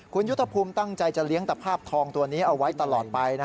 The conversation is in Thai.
คุณยุทธภูมิตั้งใจจะเลี้ยงตะภาพทองตัวนี้เอาไว้ตลอดไป